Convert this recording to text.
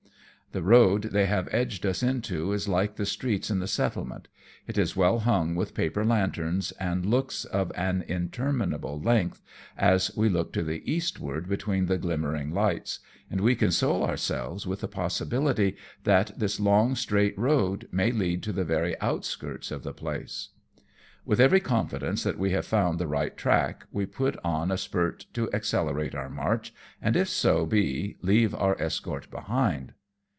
The road they have edged us into is like the streets in the settlement ; it is well hung with paper lanterns, and looks of an interminable length, as we look to the 266 AMONG TYPHOONS AND PIRATE CRAFT. eastward between the glimmering lights, and we console ourselves with the possibility that this long straight road may lead to the very outskirts of the place. With every confidence that we have found the right track, we put on a spurt to accelerate our march, and, if so be, leave our escort behind.